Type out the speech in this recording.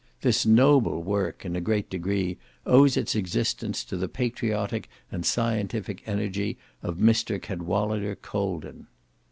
This noble work, in a great degree, owes its existence to the patriotic and scientific energy of Mr. Cadwallader Colden.